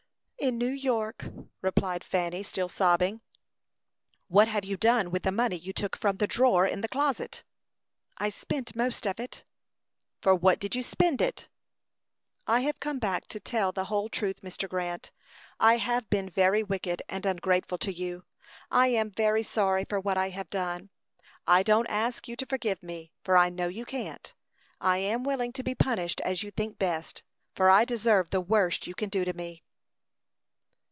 "In New York," replied Fanny, still sobbing. "What have you done with the money you took from the drawer in the closet?" "I spent most of it." "For what did you spend it?" "I have come back to tell the whole truth, Mr. Grant. I have been very wicked and ungrateful to you. I am very sorry for what I have done; I don't ask you to forgive me, for I know you can't. I am willing to be punished as you think best, for I deserve the worst you can do to me."